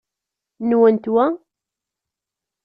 Nwent wa?